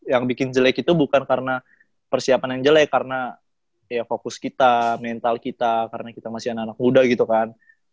yang bikin jelek itu bukan karena persiapan yang jelek karena ya fokus kita mental kita karena kita masih anak anak muda gitu kan